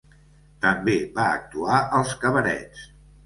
També va actuar als cabarets.